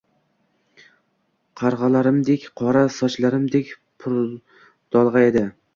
Qarog’larimdek qora, sochlarimdek purdolg’a edi.